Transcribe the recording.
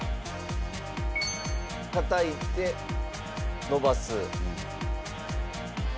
たたいて伸ばす。